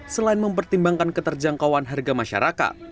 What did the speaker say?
selain mempertimbangkan keterjangkauan harga masyarakat